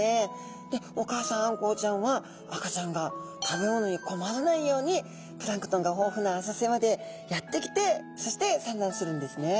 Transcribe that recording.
でお母さんあんこうちゃんは赤ちゃんが食べ物に困らないようにプランクトンが豊富な浅瀬までやって来てそして産卵するんですね。